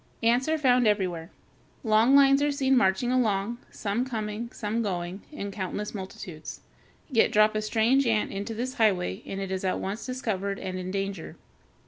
Ants are found everywhere. Long lines are seen marching along, some coming, some going, in countless multitudes. Yet drop a strange ant into this highway and it is at once discovered and in danger.